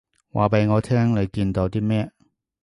話畀我聽你見到啲咩